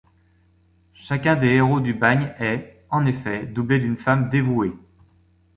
Chacun des héros du bagne est, en effet, doublé d’une femme dévouée.